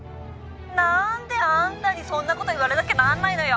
何であんたにそんなこと言われなきゃなんないのよ！